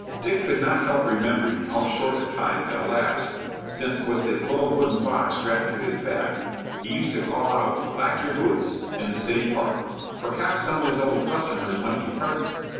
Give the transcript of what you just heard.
Dick could not help remembering how short a time had elapsed since, with his little wooden box strapped to his back, he used to call out, "Black your boots?" in the city park. Perhaps some of his old customers might be present.